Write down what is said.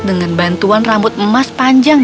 dengan bantuan rambut emas panjang